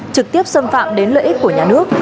trực tiếp xâm phạm đến lợi ích của nhà nước